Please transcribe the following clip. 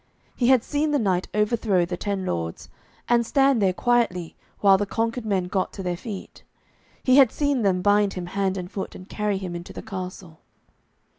He had seen the knight overthrow the ten lords, and stand there quietly while the conquered men got to their feet. He had seen them bind him hand and foot, and carry him into the castle.